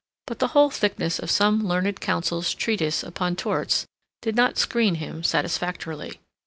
But the whole thickness of some learned counsel's treatise upon Torts did not screen him satisfactorily.